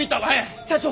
社長。